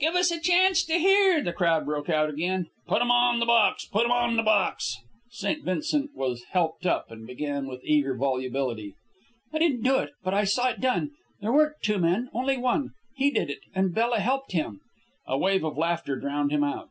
"Give us a chance to hear!" the crowd broke out again. "Put 'm on the box! Put 'm on the box!" St. Vincent was helped up, and began with eager volubility. "I didn't do it, but I saw it done. There weren't two men only one. He did it, and Bella helped him." A wave of laughter drowned him out.